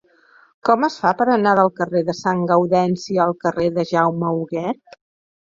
Com es fa per anar del carrer de Sant Gaudenci al carrer de Jaume Huguet?